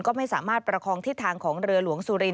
ก็ไม่สามารถประคองทิศทางของเรือหลวงสุรินท